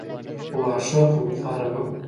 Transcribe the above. خو واښه خونخواره نه وو.